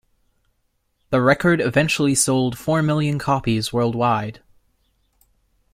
The record eventually sold four million copies worldwide.